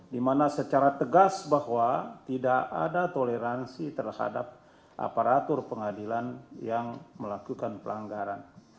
dimana secara tegas bahwa tidak ada toleransi terhadap aparatur pengadilan yang melakukan pelanggaran